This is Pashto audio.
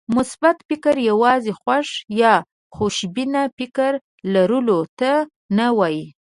مثبت فکر يوازې خوښ يا خوشبينه فکر لرلو ته نه وایي.